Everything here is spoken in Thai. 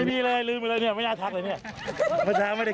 เมื่อเช้าไม่ได้กินเลยมีข้าวไหมหิวข้าวไหม